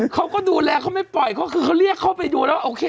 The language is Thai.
เขาก็ดูแลเขาไม่ปล่อยเขาคือเขาเรียกเขาไปดูแล้วโอเค